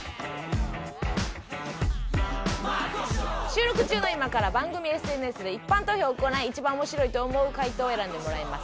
収録中の今から番組ＳＮＳで一般投票を行い一番面白いと思う回答を選んでもらいます。